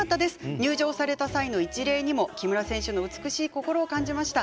入場された際の一礼にも木村選手の美しい心を感じました。